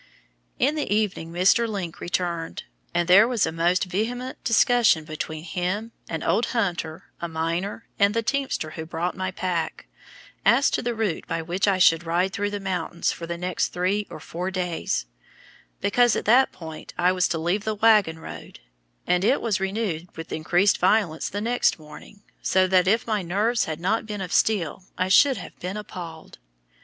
In the evening Mr. Link returned, and there was a most vehement discussion between him, an old hunter, a miner, and the teamster who brought my pack, as to the route by which I should ride through the mountains for the next three or four days because at that point I was to leave the wagon road and it was renewed with increased violence the next morning, so that if my nerves had not been of steel I should have been appalled.